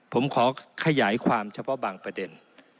ผมขอขยายความเฉพาะบางประเด็น